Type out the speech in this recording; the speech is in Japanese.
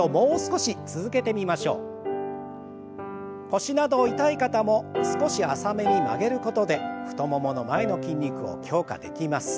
腰など痛い方も少し浅めに曲げることで太ももの前の筋肉を強化できます。